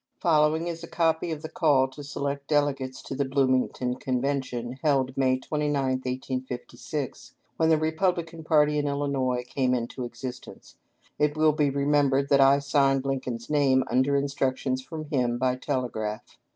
Following is a copy of the call to select delegates to the Bloomington Convention held May 29, 1856, when the Repub lican party in Illinois came into existence. It will be remem bered that I signed Lincoln's name under instructions from him by telegraph.